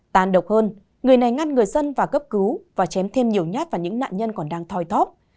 tàn độc hơn người này ngăn người dân và gấp cứu và chém thêm nhiều nhát và những nạn nhân còn đang thoi tóp